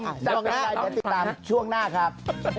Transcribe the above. ติดตามช่วงหน้าครับ